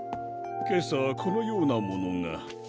けさこのようなものが。